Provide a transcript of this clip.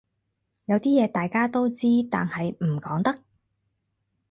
有啲嘢大家都知但係唔講得